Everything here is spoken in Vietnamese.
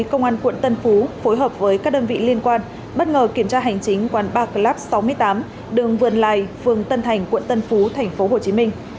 công an quận tân phú phối hợp với các đơn vị liên quan bất ngờ kiểm tra hành chính quán bar club sáu mươi tám đường vườn lài phường tân thành quận tân phú tp hcm